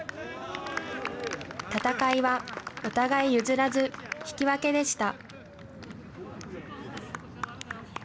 戦いはお互い譲らず、引き分けでした。